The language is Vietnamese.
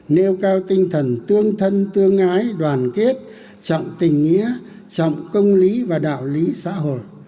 nêu cao tinh thần tương thân tương ái đoàn kết trọng tình nghĩa trọng công lý và đạo lý xã hội